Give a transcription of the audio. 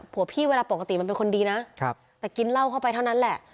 พี่เวลาปกติมันเป็นคนดีนะแต่กินเหล้าเข้าไปเท่านั้นแหละ